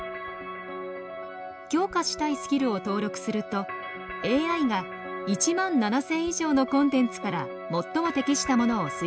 強化したいスキルを登録するとＡＩが１万７，０００以上のコンテンツから最も適したものを推薦してくれます。